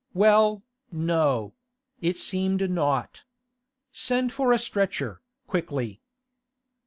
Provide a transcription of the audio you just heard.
Well, no; it seemed not. Send for a stretcher, quickly.